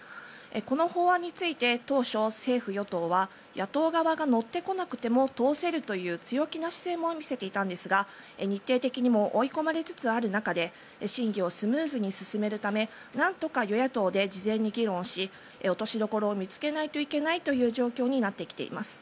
この法案について当初政府・与党は野党側が乗ってこなくても通せるという強気な姿勢も見せていたんですが日程的にも追い込まれつつある中で審議をスムーズに進めるため何とか与野党で事前に議論し落としどころを見つけないといけないという状況になってきています。